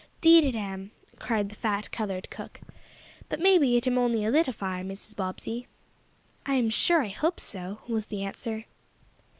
"'Deed it am!" cried the fat, colored cook. "But maybe it am only a little fire, Mrs. Bobbsey." "I'm sure I hope so," was the answer.